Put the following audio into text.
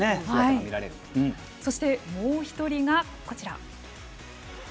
そして、もう１人がこちら。